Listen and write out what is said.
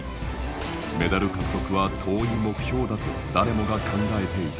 メダル獲得は遠い目標だと誰もが考えていた。